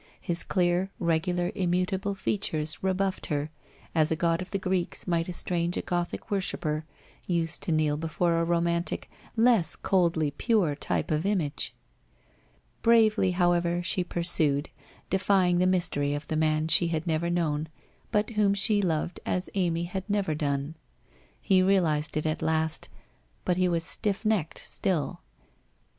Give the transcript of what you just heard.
His clear, regular immutable features rebuffed her, as a god of the Greeks might estrange a Gothic worshipper, used to kneel before a romantic, less coldly pure type of image. Bravely, however, she pursued, defying the mystery of the man she had never known, but whom she loved as Amy had never done. He realized it at last, but he was stiff necked still.